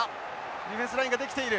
ディフェンスラインができている。